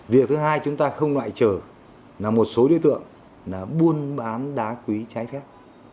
việc thứ hai chúng ta không loại trở là một số đối tượng là buôn bán đá quý trái phép